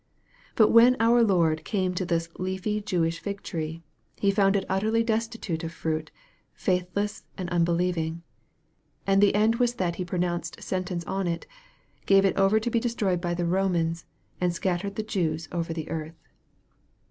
But when our Lord came to this leafy Jewish fig tree, He found it utterly destitute of fruit, faithless and unbelieving. And the end was that He p onounced sentence on it, gave i* over to be destroyed by the Romans, and scattered the Jews over the earth.